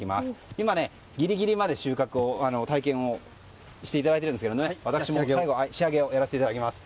今、ギリギリまで収穫の体験をしていただいているんですが私も仕上げをやらせていただきます。